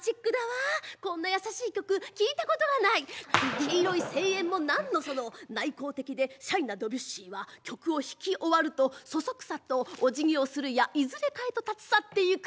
黄色い声援もなんのその内向的でシャイなドビュッシーは曲を弾き終わるとそそくさとおじぎをするやいずれかへと立ち去っていく。